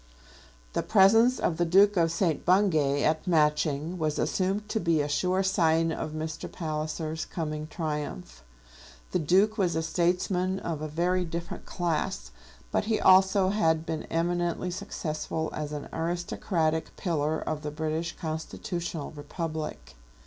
The presence of the Duke of St. Bungay at Matching was assumed to be a sure sign of Mr. Palliser's coming triumph. The Duke was a statesman of a very different class, but he also had been eminently successful as an aristocratic pillar of the British Constitutional Republic.